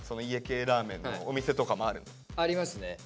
ありますね。